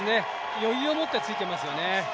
余裕をもってついてますよね。